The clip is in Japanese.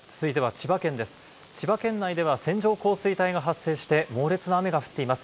千葉県内では線状降水帯が発生して猛烈な雨が降っています。